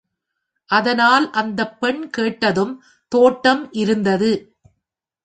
அதனால் அந்தப் பெண் கேட்டதும் தோட்டம் இருந்தது.